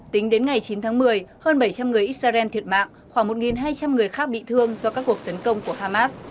tính đến ngày chín tháng một mươi hơn bảy trăm linh người israel thiệt mạng khoảng một hai trăm linh người khác bị thương do các cuộc tấn công của hamas